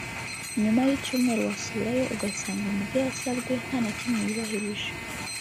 nyuma y’icyumweru wasubirayo ugasanga mu byo yasabwe nta na kimwe yubahirije